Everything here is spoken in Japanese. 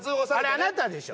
あれあなたでしょ？